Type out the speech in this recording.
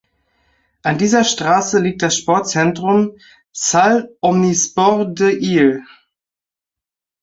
An dieser Strasse liegt das Sportzentrum "Salle omnisports des Isles".